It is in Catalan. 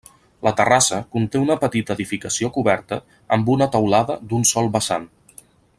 La terrassa conté una petita edificació coberta amb una teulada d'un sol vessant.